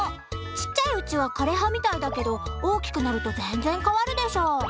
ちっちゃいうちは枯れ葉みたいだけど大きくなると全然変わるでしょ。